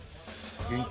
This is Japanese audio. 元気！